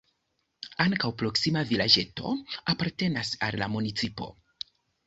Ankaŭ proksima vilaĝeto apartenas al la municipo.